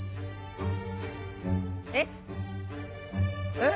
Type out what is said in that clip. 「えっ？」